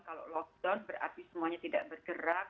kalau lockdown berarti semuanya tidak bergerak